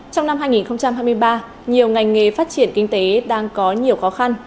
trong năm hai nghìn hai mươi ba nhiều ngành nghề phát triển kinh tế đang có nhiều khó khăn